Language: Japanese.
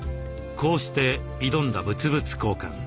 こうして挑んだ物々交換。